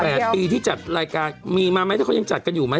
แต่ปีที่จัดรายการมีมามั้ยถ้าเขายังจัดกันอยู่มั้ย